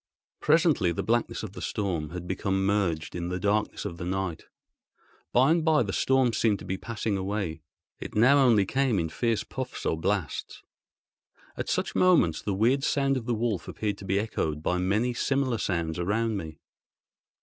Presently the blackness of the storm had become merged in the darkness of the night. By and by the storm seemed to be passing away: it now only came in fierce puffs or blasts. At such moments the weird sound of the wolf appeared to be echoed by many similar sounds around me.